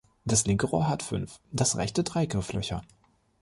Das linke Rohr hat fünf, das rechte drei Grifflöcher.